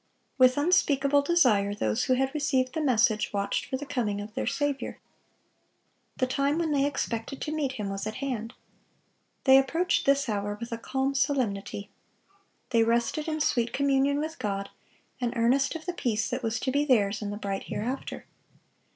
With unspeakable desire those who had received the message watched for the coming of their Saviour. The time when they expected to meet Him was at hand. They approached this hour with a calm solemnity. They rested in sweet communion with God, an earnest of the peace that was to be theirs in the bright hereafter.